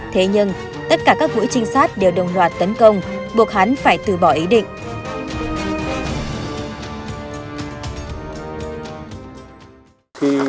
thế nhưng tất cả các mũi trinh sát đều đồng loạt tấn công buộc hắn phải từ bỏ ý định